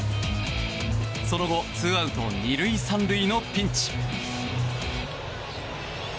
その後２アウト２塁３塁のピンチ。